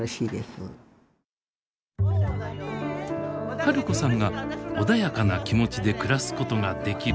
治子さんが穏やかな気持ちで暮らすことができる訳。